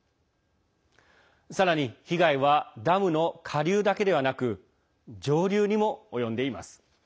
さらに被害はダムの下流だけではなく上流にも及んでいます。